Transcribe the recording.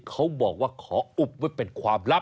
เขาบอกว่าขออุบไว้เป็นความลับ